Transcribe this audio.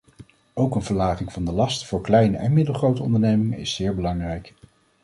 Ook een verlaging van de lasten voor kleine en middelgrote ondernemingen is zeer belangrijk.